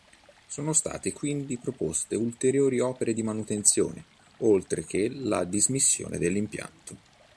Sono state quindi proposte ulteriori opere di manutenzione, oltre che la dismissione dell'impianto.